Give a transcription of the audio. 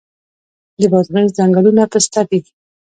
د بادغیس ځنګلونه پسته دي